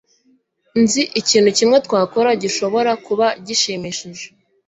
Nzi ikintu kimwe twakora gishobora kuba gishimishije.